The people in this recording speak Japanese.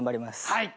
はい。